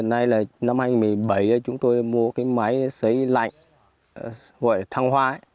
năm hai nghìn một mươi bảy chúng tôi mua máy xấy lạnh gọi là thăng hoa